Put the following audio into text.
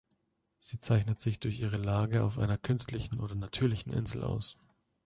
Sie zeichnet sich durch ihre Lage auf einer künstlichen oder natürlichen Insel aus.